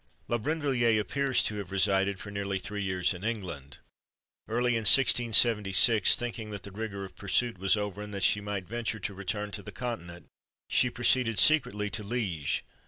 La Brinvilliers appears to have resided for nearly three years in England. Early in 1676, thinking that the rigour of pursuit was over, and that she might venture to return to the Continent, she proceeded secretly to Liège.